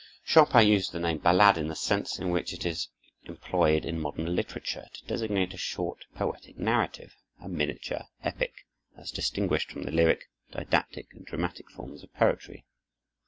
Chopin used the name ballade in the sense in which it is employed in modern literature—to designate a short, poetic narrative, a miniature epic, as distinguished from the lyric, didactic, and dramatic forms of poetry.